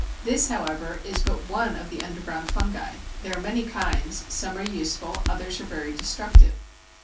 This, however, is but one of the underground fungi. There are many kinds; some are useful, others are very destructive.